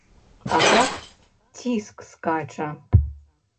А так, ціск скача.